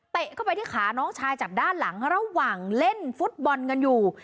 เข้าไปที่ขาน้องชายจากด้านหลังระหว่างเล่นฟุตบอลกันอยู่